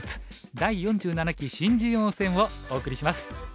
第４７期新人王戦」をお送りします。